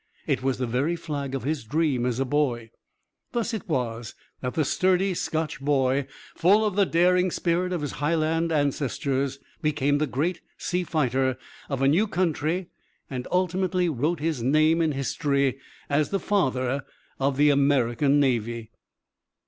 It was the very flag of his dream as a boy. Thus it was that the sturdy Scotch boy, full of the daring spirit of his Highland ancestors, became the great sea fighter of a new country, and ultimately wrote his name in history as the Father of the American Navy.